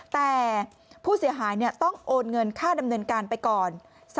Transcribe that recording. แต่ผู้เสียหายต้องโอนเงินค่าดำเนินการไปก่อน